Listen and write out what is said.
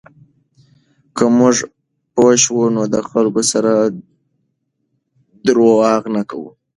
که موږ پوه شو، نو د خلکو سره درواغ نه کوو.